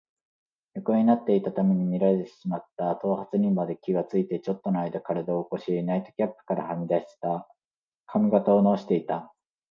横になっていたために乱れてしまった頭髪にまで気がついて、ちょっとのあいだ身体を起こし、ナイトキャップからはみ出た髪形をなおしていた。